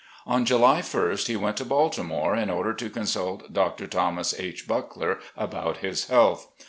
On July ist he went to Baltimore in order to consult Dr. Thomas H. Buckler about his health.